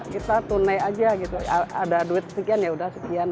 kita tunai aja gitu ada duit sekian yaudah sekian